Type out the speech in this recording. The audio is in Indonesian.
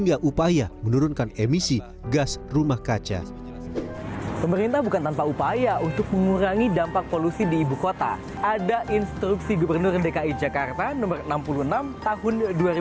ada instruksi gubernur dki jakarta nomor enam puluh enam tahun dua ribu sembilan belas